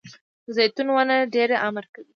د زیتون ونه ډیر عمر کوي